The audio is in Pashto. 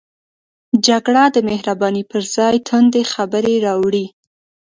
جګړه د مهربانۍ پر ځای توندې خبرې راوړي